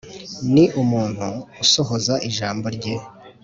Ni umuntu usohoza ijambo rye.